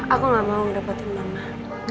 aku gak mau mendapatin mama